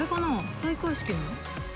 開会式の？